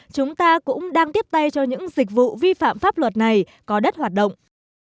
chúng ta cũng đang tiếp tay cho những dịch vụ vi phạm pháp luật này có đất hoạt động